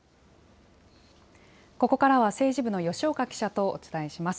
ここからは政治部の吉岡記者とお伝えします。